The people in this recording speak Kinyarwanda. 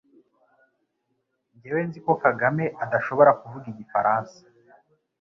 Njyewe nzi ko Kagame adashobora kuvuga igifaransa